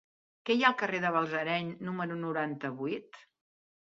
Què hi ha al carrer de Balsareny número noranta-vuit?